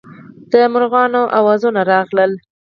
د مارغانو اوازونه راغلل.